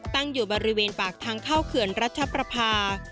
ตั้งอยู่บริเวณปากทางเข้าเขื่อนรัชประพา